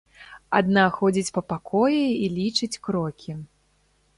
Адна ходзіць па пакоі і лічыць крокі.